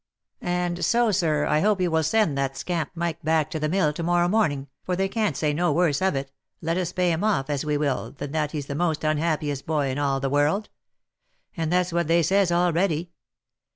And so, sir, I hope you will send 140 THE LIFE AND ADVENTURES that scamp Mike back to the mill to morrow morning, for they can't say no worse of it, let us pay him off as we will, than that he's the most unhappiest boy in all the world. And that's what they says already."